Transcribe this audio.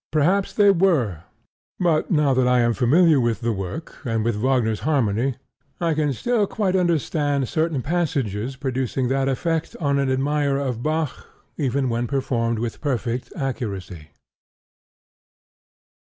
Perhaps they were; but now that I am familiar with the work, and with Wagner's harmony, I can still quite understand certain passages producing that effect organ admirer of Bach even when performed with perfect accuracy.